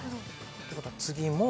ってことは次も。